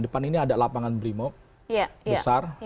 depan ini ada lapangan brimo besar